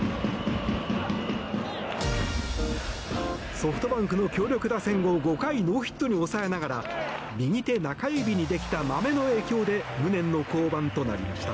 ソフトバンクの強力打線を５回ノーヒットに抑えながら右手中指にできた、まめの影響で無念の降板となりました。